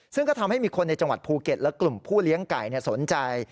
ซึ่งก็ทำให้มีคนในจังหวัดภูเก็ตและกลุ่มผู้เลี้ยงไก่สนใจ